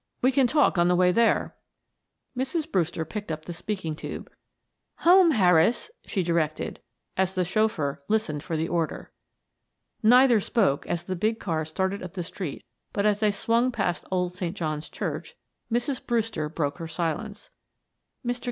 We can talk on the way there." Mrs. Brewster picked up the speaking tube. "Home, Harris," she directed, as the chauffeur listened for the order. Neither spoke as the big car started up the street but as they swung past old St. John's Church, Mrs. Brewster broke her silence. "Mr.